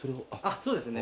そうですね